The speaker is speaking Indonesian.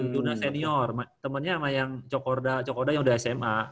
jurnas senior temennya sama yang cokorda cokorda yang udah sma